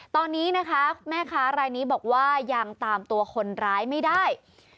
ตอนนี้นะคะแม่ค้ารายนี้บอกว่ายังตามตัวคนร้ายไม่ได้